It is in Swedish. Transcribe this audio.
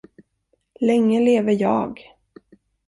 Länge leve jag.